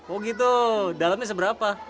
oh gitu dalemnya seberapa